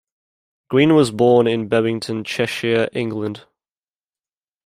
Green was born in Bebington, Cheshire, England.